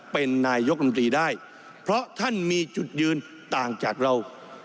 เป็นนายกรมตรีได้เพราะท่านมีจุดยืนต่างจากเรา